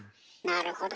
なるほど。